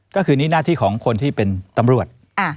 ก็คือนี่หน้าที่ของคนที่เป็นตำรวจ